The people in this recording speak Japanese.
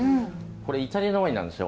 これイタリアのワインなんですよ。